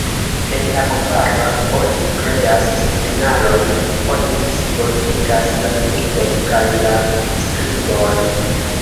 En la kvara oni kreas signalojn, oni disvolvigas la lingvon kaj la skribon.